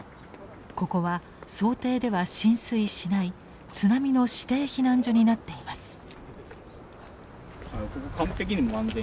ここは想定では浸水しない津波の指定避難所になっています。